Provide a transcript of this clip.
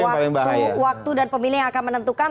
waktu dan pemilih yang akan menentukan